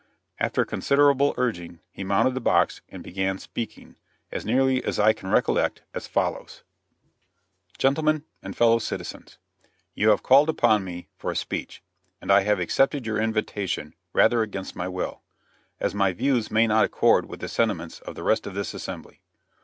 After considerable urging, he mounted the box and began speaking, as nearly as I can recollect, as follows: "Gentlemen and Fellow citizens: You have called upon me for a speech, and I have accepted your invitation rather against my will, as my views may not accord with the sentiments of the rest of this assembly.